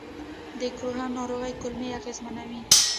د کروهن ناروغي کولمې اغېزمنوي.